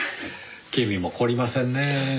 君も懲りませんねぇ。